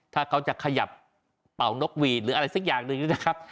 ถ้าเขาจะขยับเป่านกหวีดหรืออะไรสักอย่างหนึ่งนะครับ